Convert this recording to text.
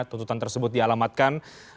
tuntutan tersebut dialamatkan